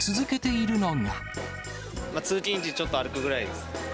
通勤時、ちょっと歩くぐらいです。